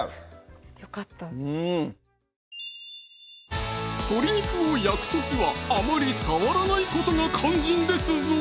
よかった鶏肉を焼く時はあまり触らないことが肝心ですぞ